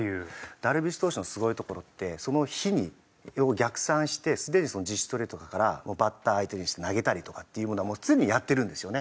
ダルビッシュ投手のすごいところってその日に逆算してすでに自主トレとかからバッターを相手にして投げたりとかっていうものはもう常にやってるんですよね。